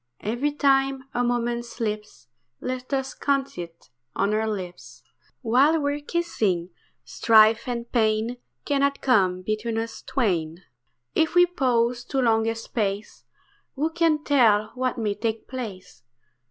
Every time a moment slips Let us count it on our lips While we're kissing, strife and pain Cannot come between us twain. If we pause too long a space, Who can tell what may take place?